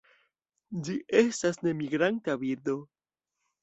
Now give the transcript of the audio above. Ĝi estas nemigranta birdo.